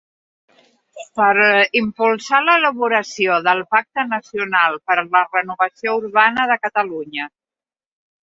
Per impulsar l'elaboració del Pacte nacional per a la renovació urbana de Catalunya.